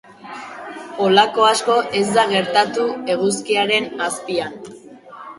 Holako asko ez da gertatu eguzkiaren azpian.